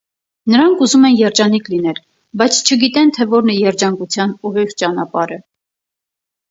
նրանք ուզում են երջանիկ լինել, բայց չգիտեն, թե ո՛րն է երջանկության ուղիղ ճանապարհը: